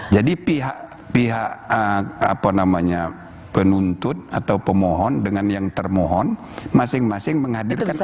jadi pihak penuntut atau pemohon dengan yang termohon masing masing menghadirkan ahli